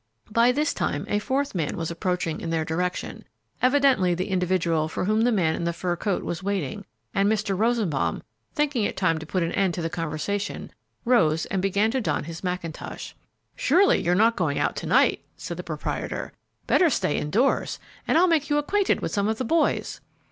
By this time a fourth man was approaching in their direction, evidently the individual for whom the man in the fur coat was waiting, and Mr. Rosenbaum, thinking it time to put an end to the conversation, rose and began to don his mackintosh. "Surely you are not going out to night!" said the proprietor; "better stay indoors, and I'll make you acquainted with some of the boys."